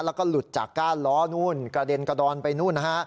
แล้วก็หลุดจากก้านล้อนู่นกระเด็นกระดอนไปนู่นนะฮะ